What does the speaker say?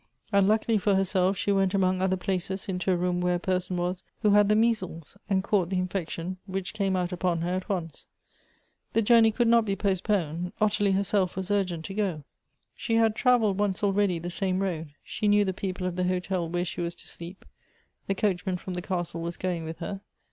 Unluckily for herself, she went among other places into a room where a person was who had the measles, and caught the infection, which came out upon her at once. The journey could not be postponed. Ottilie herself was urgent to go. She had travelled once already the same road. She knew the people of the hotel whe?e she was to sleep. The coachman from the castle was going with her.